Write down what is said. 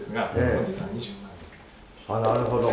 なるほど。